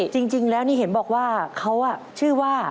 จริงแล้วนี่เห็นบอกว่าเขาชื่อว่า